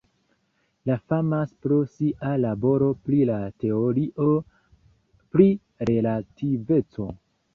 Li famas pro sia laboro pri la teorio pri relativeco.